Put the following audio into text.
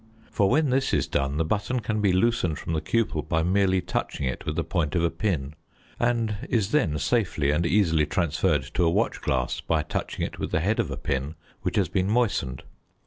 For when this is done the button can be loosened from the cupel by merely touching it with the point of a pin, and is then safely and easily transferred to a watch glass by touching it with the head of a pin which has been moistened.